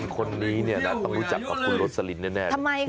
คนนี้เนี่ยนะต้องรู้จักกับคุณโรสลินแน่